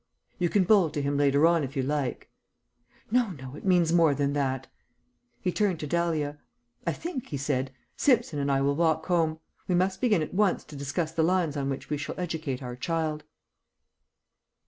"You can bowl to him later on if you like." "No, no. It means more than that." He turned to Dahlia. "I think," he said, "Simpson and I will walk home. We must begin at once to discuss the lines on which we shall educate our child."